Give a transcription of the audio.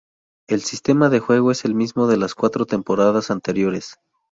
El sistema de juego es el mismo de las cuatro temporadas anteriores.